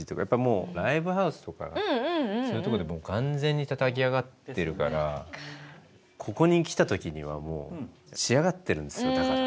もうライブハウスとかそういうとこでもう完全にたたき上がってるからここに来た時にはもう仕上がってるんですよだから。